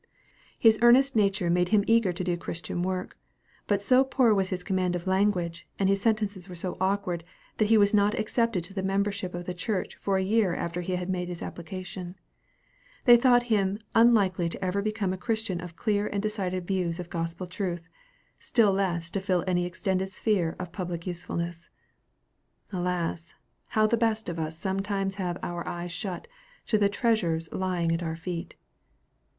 His earnest nature made him eager to do Christian work; but so poor was his command of language, and his sentences were so awkward, that he was not accepted to the membership of the church for a year after he had made his application. They thought him very "unlikely ever to become a Christian of clear and decided views of gospel truth; still less to fill any extended sphere of public usefulness." Alas! how the best of us sometimes have our eyes shut to the treasures lying at our feet.